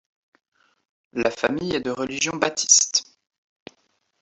La famille est de religion baptiste.